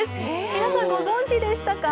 皆さんご存じでしたか？